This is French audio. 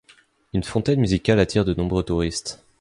Une fontaine musicale attire de nombreux touristes.